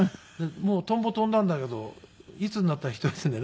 「もうトンボ飛んだんだけどいつになったら一人で寝るの？」